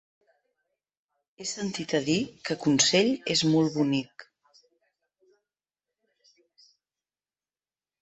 He sentit a dir que Consell és molt bonic.